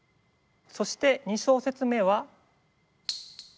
そして２小節目は。